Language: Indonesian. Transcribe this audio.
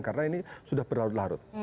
karena ini sudah berlarut larut